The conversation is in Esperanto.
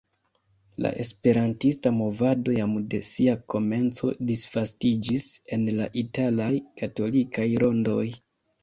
La Esperantista movado jam de sia komenco disvastiĝis en la italaj katolikaj rondoj.